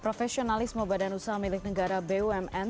profesionalisme badan usaha milik negara bumn